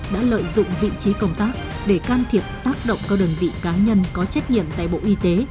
đã lợi dụng vị trí công tác để can thiệp tác động các đơn vị cá nhân có trách nhiệm tại bộ y tế